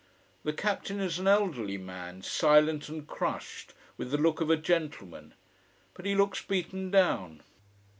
The captain is an elderly man, silent and crushed: with the look of a gentleman. But he looks beaten down.